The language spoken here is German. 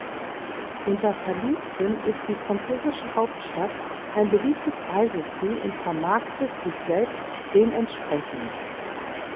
Unter Verliebten ist die französische Hauptstadt ein beliebtes Reiseziel und vermarktet sich selbst dementsprechend.